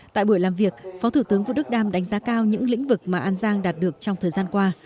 tại buổi làm việc phó thủ tướng vũ đức đam đánh giá cao những lĩnh vực mà an giang đạt được trong thời gian qua